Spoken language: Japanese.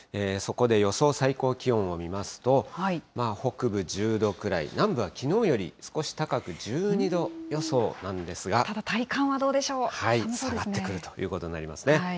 そこで予想最高気温を見ますと、北部１０度くらい、南部はきのうより少し高く、１２度予想なんでただ、体感はどうでしょう、寒くなってくるということになりますね。